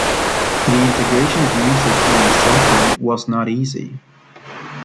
The integration of music in a cellphone was not easy.